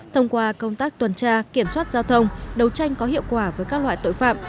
thông qua công tác tuần tra kiểm soát giao thông đấu tranh có hiệu quả với các loại tội phạm